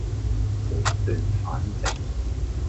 撥亂反正